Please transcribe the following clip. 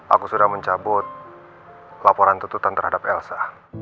aku sudah mencabut laporan tututan terhadap elsa